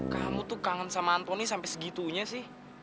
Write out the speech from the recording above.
kamu tuh kangen sama antoni sampai segitunya sih